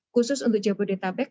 khusus untuk jabodetabek